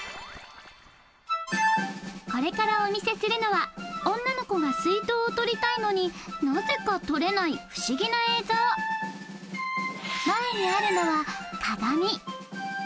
これからお見せするのは女の子が水筒を取りたいのになぜか取れない不思議な映像前にあるのは鏡